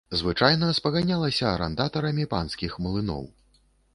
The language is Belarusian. Звычайна спаганялася арандатарамі панскіх млыноў.